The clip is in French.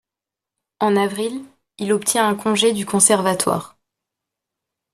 En avril, il obtient un congé du Conservatoire.